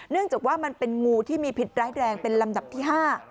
จากว่ามันเป็นงูที่มีพิษร้ายแรงเป็นลำดับที่๕